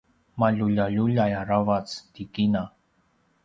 maluljaluljay aravac ti kina